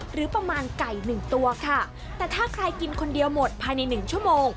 หรือประมาณไก่หนึ่งตัวค่ะแต่ถ้าใครกินคนเดียวหมดภายในหนึ่งชั่วโมง